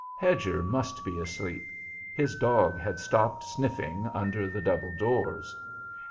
Hedger must be asleep; his dog had stopped sniffing under the double doors.